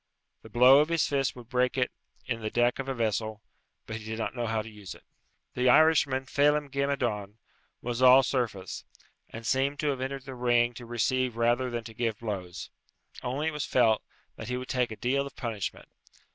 The blow of his fist would break in the deck of a vessel, but he did not know how to use it. The Irishman, Phelem ghe Madone, was all surface, and seemed to have entered the ring to receive rather than to give blows. Only it was felt that he would take a deal of punishment.